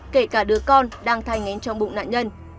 kể cả đứa con đang thay ngén trong bụng nạn nhân